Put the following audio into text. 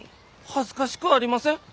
恥ずかしくありません。